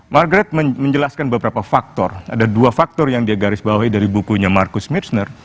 margrad menjelaskan beberapa faktor ada dua faktor yang dia garis bawahi dari bukunya marcus mipsner